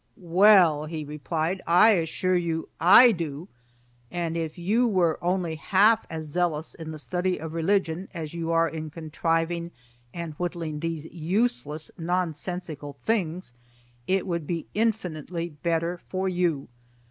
"Well," he replied, "I assure you I do; and if you were only half as zealous in the study of religion as you are in contriving and whittling these useless, nonsensical things, it would be infinitely better for you.